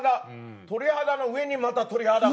鳥肌の上にまた鳥肌が。